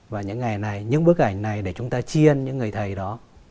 và những bức ảnh này để chúng ta chiên những người thầy đó